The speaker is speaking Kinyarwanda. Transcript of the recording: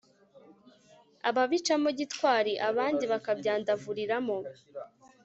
ababicamo gitwari abandi bakabyandavuriramo